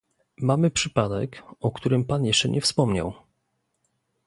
Mamy przypadek, o którym pan jeszcze nie wspomniał